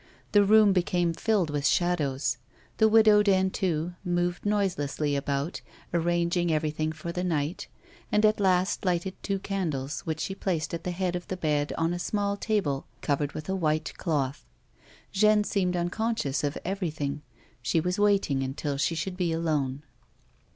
The room became filled with shadows. The Widow Dentu moved noiselessly about, arranging everything for the night, and at last lighted two candles which she placed at the head of the bed on a small table covered with a white cloth. Jeanne seemed uuconscious of everything ; she was waiting until she should be alone.